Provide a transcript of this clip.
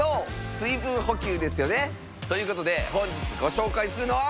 水分補給ですよね。ということで本日ご紹介するのは。